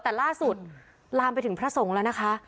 แต่ล่าสุดลามไปถึงพระสงฆ์แล้วนะคะ